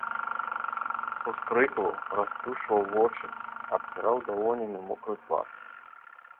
Ускрыкваў, расплюшчваў вочы, абціраў далонямі мокры твар.